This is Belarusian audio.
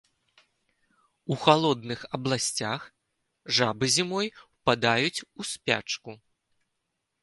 У халодных абласцях жабы зімой ўпадаюць у спячку.